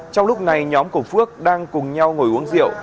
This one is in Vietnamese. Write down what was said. trong lúc này nhóm của phước đang cùng nhau ngồi uống rượu